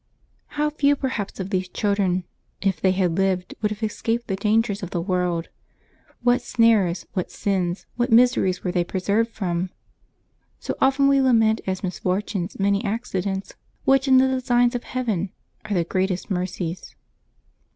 — How few perhaps of these children, if they had lived, would have escaped the dangers of the world! What snares, what sins, what miseries were they preserved from ! So we often lament as misfortunes many accidents which in the designs of Heaven are the greatest mercies.